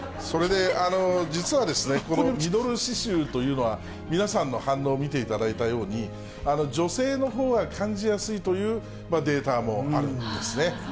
実はですね、このミドル脂臭というのは、皆さんの反応を見ていただいたように、女性のほうが感じやすいというデータもあるんですね。